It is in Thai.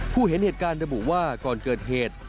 เห็นเหตุการณ์ระบุว่าก่อนเกิดเหตุ